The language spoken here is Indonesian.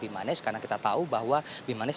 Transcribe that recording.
bimanes karena kita tahu bahwa bimanes